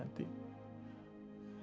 aku akan berharap